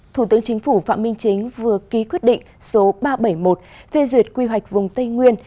thủ tướng chính phủ phạm minh chính vừa ký quyết định số ba trăm bảy mươi một phê duyệt quy hoạch vùng tây nguyên